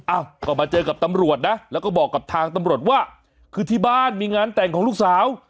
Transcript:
อ้าวก็มาเจอกับตำรวจนะแล้วก็บอกกับทางตำรวจว่าคือที่บ้านมีงานแต่งของลูกสาว